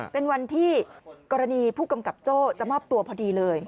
เป็นวันที่กรณีผู้กำกับโจ้จะมอบตัวพอดีเลย